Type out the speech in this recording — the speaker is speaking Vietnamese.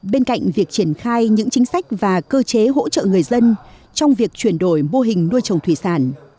bên cạnh việc triển khai những chính sách và cơ chế hỗ trợ người dân trong việc chuyển đổi mô hình nuôi trồng thủy sản